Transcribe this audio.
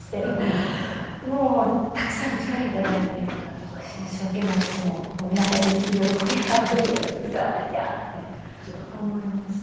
もうたくさん力頂いて一生懸命私も皆さんに生きる喜びがあふれるように歌わなきゃって思いました。